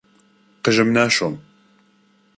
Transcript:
قژم ناشۆم.